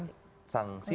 penyebut anak politik